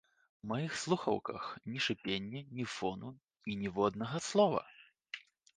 У маіх слухаўках ні шыпення, ні фону і ніводнага слова!